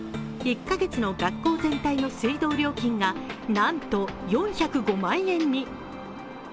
１カ月の学校全体の水道料金がなんと４０５万円に。